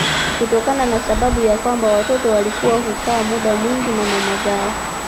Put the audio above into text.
Kutokana na sababu ya kwamba watoto walikuwa hukaa muda mwingi na mama zao